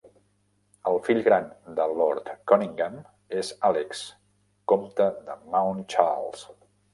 El fill gran de lord Conyngham és Àlex, comte de Mount Charles.